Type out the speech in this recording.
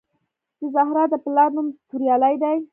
د زهرا د پلار نوم توریالی دی